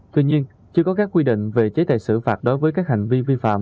tuy nhiên chưa có các quy định về chế tài xử phạt đối với các hành vi vi phạm